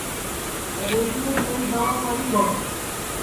پڈؔؔیکِیئیپ میری دوا پڑی ہے